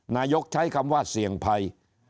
นายกใช้คำว่าเสี่ยงภัย